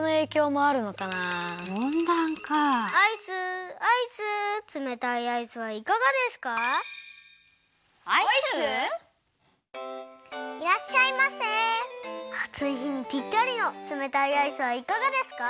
あついひにぴったりのつめたいアイスはいかがですか？